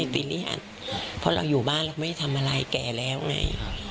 ไปเรียนเพราะเราอยู่บ้านเราไม่ได้ทำอะไรแก่แล้วไง